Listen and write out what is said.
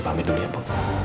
paham itu ya bu